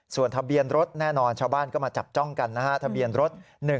ส่วนทะเบียนรถแน่นอนชาวบ้านก็มาจับจ้องกันนะฮะทะเบียนรถ๑๕